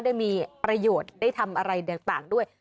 ได้มีประโยชน์ได้ทำอะไรต่างด้วย